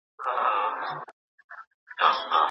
وايی په ښار کي محتسب ګرځي